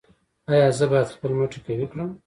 ایا زه باید خپل مټې قوي کړم؟